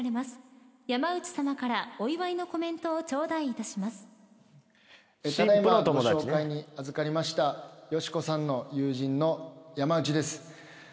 ただ今ご紹介にあずかりましたよし子さんの友人の山内です。